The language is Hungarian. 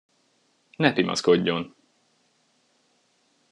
Ne pimaszkodjon!